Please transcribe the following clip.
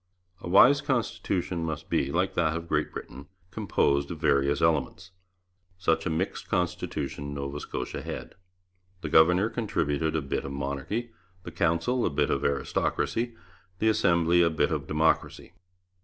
A wise constitution must be, like that of Great Britain, composed of various elements. Such a mixed constitution Nova Scotia had. The governor contributed a bit of Monarchy, the Council a bit of Aristocracy, the Assembly a bit of Democracy.